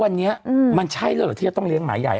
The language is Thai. วันนี้มันใช่แล้วเหรอที่จะต้องเลี้ยงหมาใหญ่